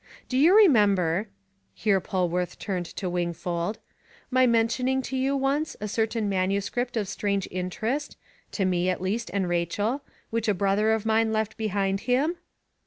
Do you remember" here Polwarth turned to Wingfold "my mentioning to you once a certain manuscript of strange interest to me at least and Rachel which a brother of mine left behind him?"